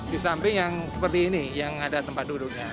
di samping yang seperti ini yang ada tempat duduknya